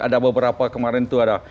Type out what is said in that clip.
ada beberapa kemarin itu ada